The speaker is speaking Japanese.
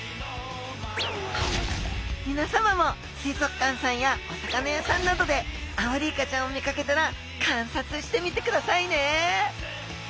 みなさまも水族館さんやお魚屋さんなどでアオリイカちゃんを見かけたら観察してみてくださいね！